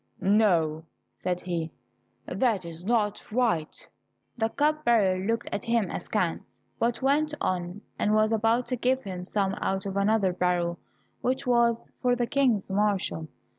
"No," said he, "that is not right." The cup bearer looked at him askance, but went on, and was about to give him some out of another barrel which was for the King's marshal.